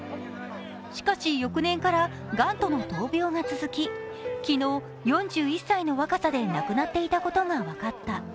しかし、翌年からがんとの闘病が続き、昨日４１歳の若さで亡くなっていたことが分かった。